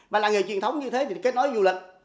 mà làng nghề truyền thống như thế thì kết nối du lịch